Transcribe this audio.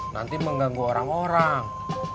nanti mengganggu orang orang